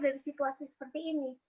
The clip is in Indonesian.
dia mencari situasi seperti ini